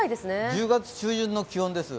１０月中旬くらいの気温です。